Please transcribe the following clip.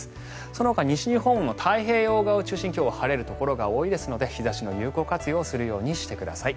そのほか西日本の太平洋側を中心に今日は晴れるところが多いですので日差しの有効活用するようにしてください。